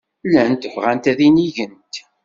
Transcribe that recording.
Llant bɣant ad inigent.